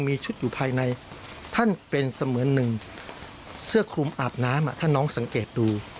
มีชุดอยู่ภายในท่านเป็นเสมือนหนึ่งเสื้อคลุมอาบน้ำถ้าน้องสังเกตดู